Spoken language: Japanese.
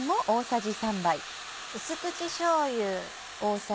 淡口しょうゆ。